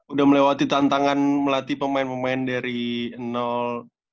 udah melewati tantangan melatih pemain pemain dari nol